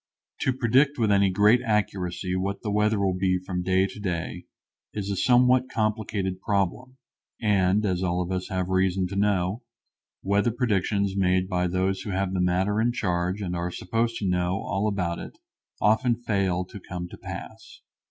To predict with any great accuracy what the weather will be from day to day is a somewhat complicated problem, and, as all of us have reason to know, weather predictions made by those who have the matter in charge and are supposed to know all about it often fail to come to pass.